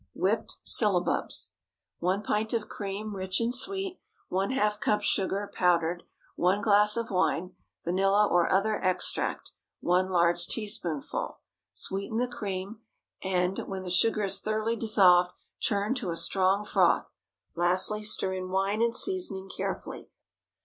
WHIPPED SYLLABUBS. 1 pint of cream, rich and sweet. ½ cup sugar, powdered. 1 glass of wine. Vanilla or other extract, 1 large teaspoonful. Sweeten the cream, and, when the sugar is thoroughly dissolved, churn to a strong froth. Lastly, stir in wine and seasoning, carefully.